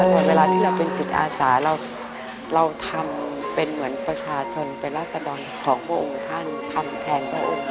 เหมือนเวลาที่เราเป็นจิตอาสาเราทำเป็นเหมือนประชาชนเป็นราศดรของพระองค์ท่านทำแทนพระองค์